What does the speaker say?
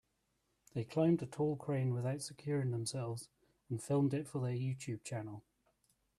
They climbed a tall crane without securing themselves and filmed it for their YouTube channel.